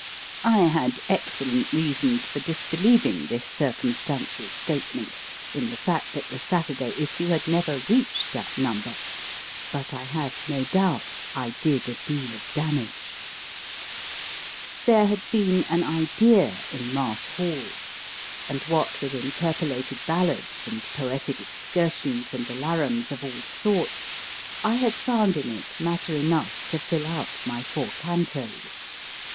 I had excellent reasons for disbelieving circumstantial statement in the fact that the Saturday issue had never reached that number, but I have no doubt. I did a deal of damage. There had been an idea in 1 Marsh Hall/ and what with interpolated ballads and poetic excursions and alarums of all sorts, I had found in it matter enough to fill out my four cantos.